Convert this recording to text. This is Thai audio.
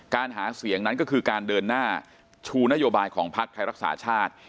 หาเสียงนั้นก็คือการเดินหน้าชูนโยบายของพักไทยรักษาชาติ